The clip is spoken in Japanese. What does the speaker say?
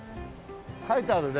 書いてあるね。